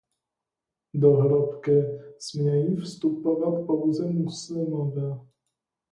Do hrobky smějí vstupovat pouze muslimové.